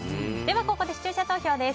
ここで視聴者投票です。